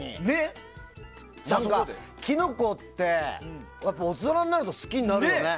キノコって大人になると好きになるよね。